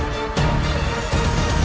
tidak ada masalah